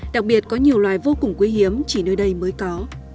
đặc biệt có nhiều loài vô cùng quý hiếm chỉ nơi đây mới có